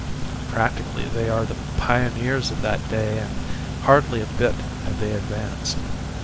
Practically, they are the pioneers of that day and hardly a bit have they advanced.